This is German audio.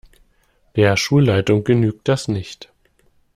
Der Schulleitung genügt das nicht.